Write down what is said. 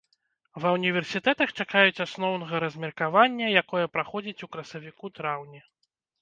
Ва ўніверсітэтах чакаюць асноўнага размеркавання, якое праходзіць у красавіку-траўні.